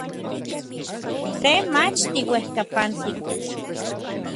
Te mach tiuejkapantik.